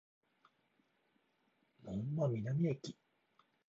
門真南駅